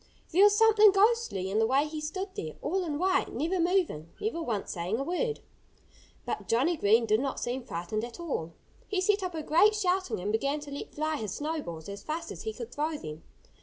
There was something ghostly in the way he stood there, all in white, never moving, never once saying a word. But Johnnie Green did not seem frightened at all. He set up a great shouting and began to let fly his snowballs as fast as he could throw them.